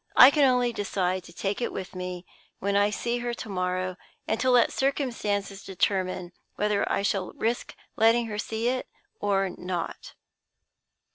I can only decide to take it with me, when I see her to morrow, and to let circumstances determine whether I shall risk letting her see it or not.